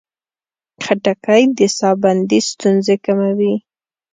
خټکی د ساه بندي ستونزې کموي.